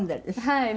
はい。